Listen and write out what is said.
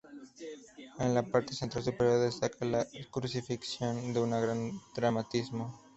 En la parte central superior destaca la Crucifixión, de un gran dramatismo.